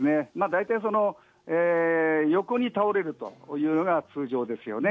大体、横に倒れるというのが通常ですよね。